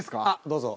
どうぞ。